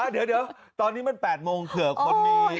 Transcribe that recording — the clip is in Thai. เดี๋ยวตอนนี้มัน๘โมงเผื่อคนมี